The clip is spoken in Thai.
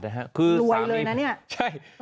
ล้วยเลยนะเนี่ย